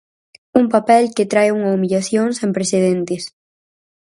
Un papel que trae unha humillación sen precedentes.